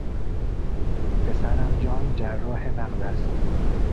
پسرم جان جراح مغز است.